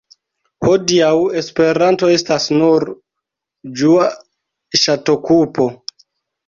Hodiaŭ Esperanto estas nur ĝua ŝatokupo.